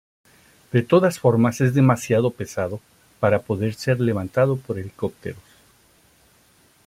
De todas formas es demasiado pesado para poder ser levantado por helicópteros.